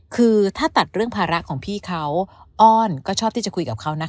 คือถ้าตัดเรื่องภาระของพี่เขาอ้อนก็ชอบที่จะคุยกับเขานะคะ